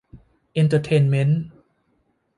เอนเตอร์เทนเมนต์